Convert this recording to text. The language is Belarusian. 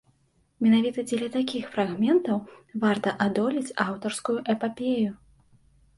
Менавіта дзеля такіх фрагментаў варта адолець аўтарскую эпапею.